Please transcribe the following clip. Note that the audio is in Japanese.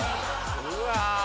うわ！